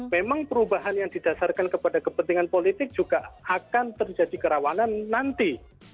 memang perubahan yang didasarkan kepada kepentingan politik juga akan terjadi kerawanan nanti